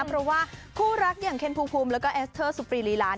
เพราะว่าคู่รักอย่างเคนภูมิแล้วก็เอสเตอร์สุปรีลีลาน